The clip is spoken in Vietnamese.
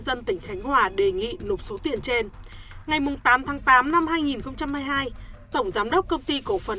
dân tỉnh khánh hòa đề nghị nộp số tiền trên ngày tám tháng tám năm hai nghìn hai mươi hai tổng giám đốc công ty cổ phần